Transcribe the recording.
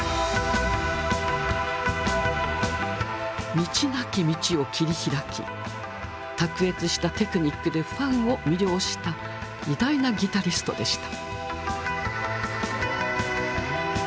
道なき道を切り開き卓越したテクニックでファンを魅了した偉大なギタリストでした。